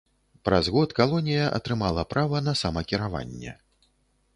Праз год калонія атрымала права на самакіраванне.